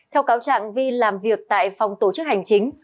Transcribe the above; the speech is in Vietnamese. theo cáo trạng vi làm việc tại phòng tổ chức hành chính